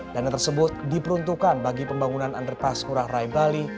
dan yang tersebut diperuntukkan bagi pembangunan underpass ngurah rai bali